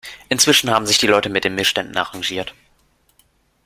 Inzwischen haben sich die Leute mit den Missständen arrangiert.